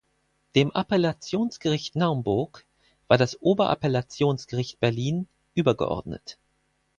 Dem Appellationsgericht Naumburg war das Oberappellationsgericht Berlin übergeordnet.